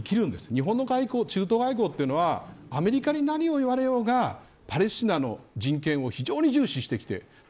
日本の中東外交というのはアメリカに何を言われようがパレスチナの人権を非常に重視してきています。